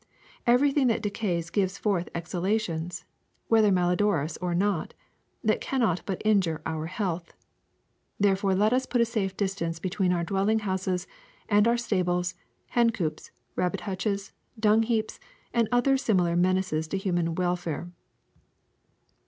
Everything that decays gives forth exhalations, whether malodorous or not, that cannot but injure our health. Therefore let us put a safe distance between our dwelling houses and our stables, hen coops, rabbit hutches, dung heaps, and other similar menaces to human welfare.